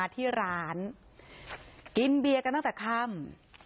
ที่ร้านกินเบียร์กันตั้งแต่ค่ำ